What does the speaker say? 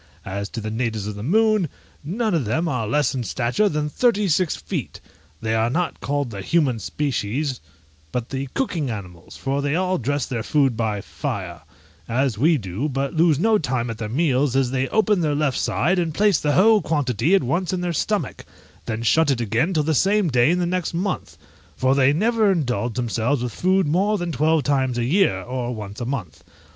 As to the natives of the moon, none of them are less in stature than thirty six feet: they are not called the human species, but the cooking animals, for they all dress their food by fire, as we do, but lose not time at their meals, as they open their left side, and place the whole quantity at once in their stomach, then shut it again till the same day in the next month; for they never indulge themselves with food more than twelve times a year, or once a month.